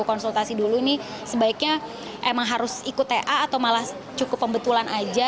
konsultasi dulu ini sebaiknya emang harus ikut ta atau malah cukup pembetulan aja